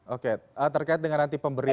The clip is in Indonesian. oke terkait dengan nanti pemberian